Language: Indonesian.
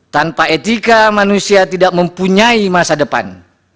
tanpa etika manusia tidak mempunyai masa depan